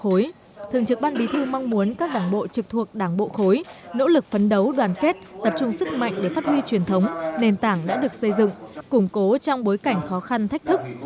trong thời gian qua đảng ủy khối thường trực ban bí thư mong muốn các đảng bộ trực thuộc đảng bộ khối nỗ lực phấn đấu đoàn kết tập trung sức mạnh để phát huy truyền thống nền tảng đã được xây dựng củng cố trong bối cảnh khó khăn thách thức